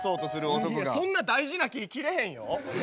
いやそんな大事な木切れへんよ。